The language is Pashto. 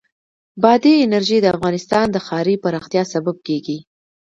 بادي انرژي د افغانستان د ښاري پراختیا سبب کېږي.